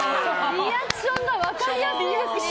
リアクションが分かりやすいですね。